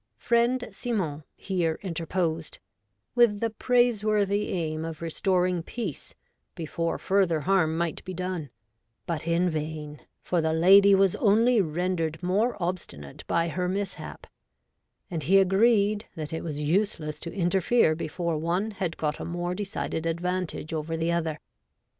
Friend Symon here interposed, with the praiseworthy aim of restoring peace before further harm might be done, but in vain, for the lady was only rendered more obstinate by her mishap ; and he agreed that it was useless to interfere before one had got a more decided advantage over the other.